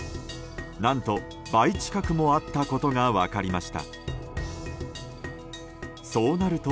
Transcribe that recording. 何と倍近くもあったことが分かりました。